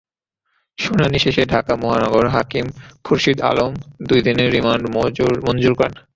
শুনানি শেষে ঢাকা মহানগর হাকিম খুরশীদ আলম দুই দিনের রিমান্ড মঞ্জুর করেন।